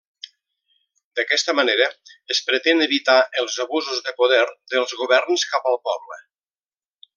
D'aquesta manera es pretén evitar els abusos de poder dels governs cap al poble.